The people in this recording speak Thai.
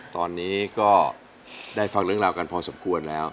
ตอนนี้ก็ได้ฟังเรื่องราวกันพอสมควรแล้ว